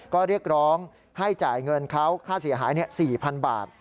ก็เรียกร้องให้จ่ายเงินเขาค่าเสียหาย๔๐๐๐บาท